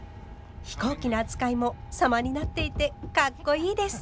飛行機の扱いも様になっていてかっこいいです。